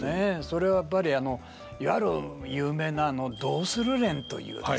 それはやっぱりいわゆる有名な「どうする連」というですね